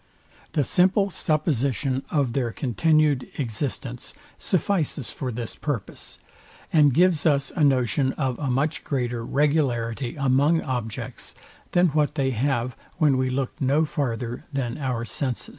The simple supposition of their continued existence suffices for this purpose, and gives us a notion of a much greater regularity among objects, than what they have when we look no farther than our senses.